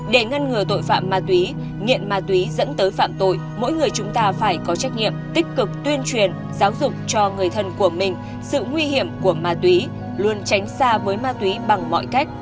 để ngăn ngừa tội phạm ma túy nghiện ma túy dẫn tới phạm tội mỗi người chúng ta phải có trách nhiệm tích cực tuyên truyền giáo dục cho người thân của mình sự nguy hiểm của ma túy luôn tránh xa với ma túy bằng mọi cách